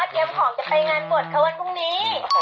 เตรียมของจะไปงานบวชค่ะวันพรุ่งนี้